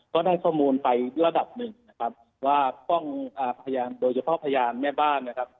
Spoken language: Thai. ก็ได้ข้อมูลไประดับหนึ่งนะครับว่ากล้องพยานโดยเฉพาะพยานแม่บ้านนะครับ